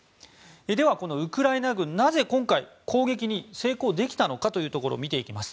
では、ウクライナ軍はなぜ今回の攻撃に成功できたのかを見ていきます。